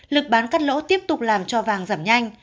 lực bán cắt lỗ tiếp tục làm cho vàng giảm nhanh